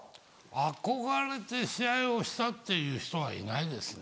憧れで試合をしたっていう人はいないですね。